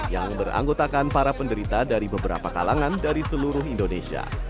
yang beranggotakan para penderita dari beberapa kalangan dari seluruh indonesia